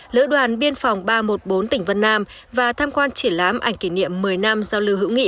lữ đoàn biên phòng ba trăm một mươi bốn tỉnh vân nam và tham quan triển lãm ảnh kỷ niệm một mươi năm giao lưu hữu nghị